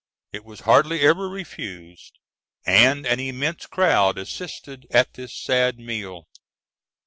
_ It was hardly ever refused, and an immense crowd assisted at this sad meal.